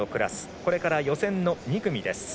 これから予選の２組です。